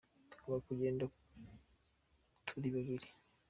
Tugomba kugenda turi babiri.